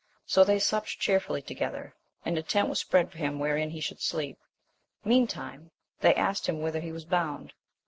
So they supped cheerfully together, and a tent was spread for him wherein he should sleep. Meantime they asked him whither he was bound?